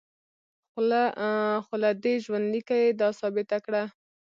خو له دې ژوندلیکه یې دا ثابته کړه.